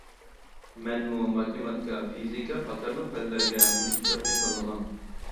مەنمۇ ماتېماتىكا، فىزىكا قاتارلىق پەنلەرگە مۇشۇ كىتابنى تاللىغان.